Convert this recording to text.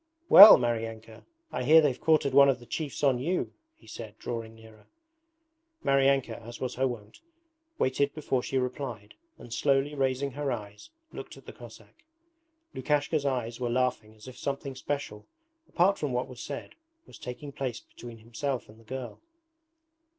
'Well, Maryanka! I hear they've quartered one of the chiefs on you?' he said, drawing nearer. Maryanka, as was her wont, waited before she replied, and slowly raising her eyes looked at the Cossack. Lukashka's eyes were laughing as if something special, apart from what was said, was taking place between himself and the girl.